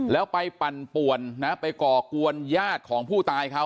แล้วไปปั่นป่วนนะไปก่อกวนญาติของผู้ตายเขา